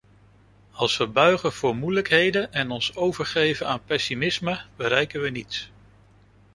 Als we buigen voor de moeilijkheden en ons overgeven aan pessimisme, bereiken we niets.